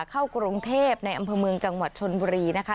เข้ากรุงเทพในอำเภอเมืองจังหวัดชนบุรีนะคะ